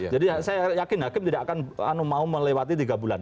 jadi saya yakin hakim tidak akan mau melewati tiga bulan